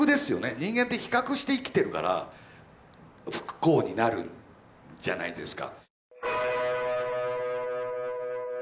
人間って比較して生きてるから不幸になるんじゃないですか。